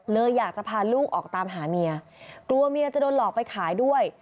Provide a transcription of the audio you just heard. เลยอยากจะพาลูกออกตามหาเมียกลัวเมียจะโดนหลอกไปขายด้วย